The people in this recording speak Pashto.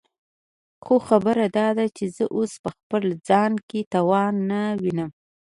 خو خبره داده چې زه اوس په خپل ځان کې توان نه وينم.